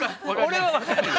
俺は分かるよ。